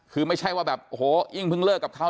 คือไม่ใช่ว่าแบบโอ้โหอิ้งเพิ่งเลิกกับเขา